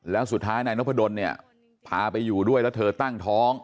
แล้วสุดท้ายนายนพดลเนี่ยพาไปอยู่ด้วยแล้วเธอตั้งท้อง